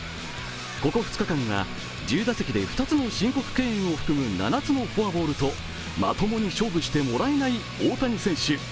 ここ２日間は１０打席で２つの申告敬遠を含む７つのフォアボールとまともに勝負してもらえない大谷選手。